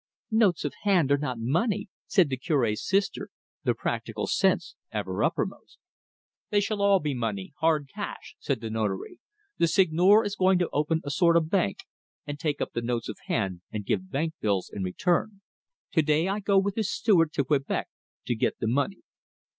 "Notes of hand are not money," said the Cure's sister, the practical sense ever uppermost. "They shall all be money hard cash," said the Notary. "The Seigneur is going to open a sort of bank, and take up the notes of hand, and give bank bills in return. To day I go with his steward to Quebec to get the money."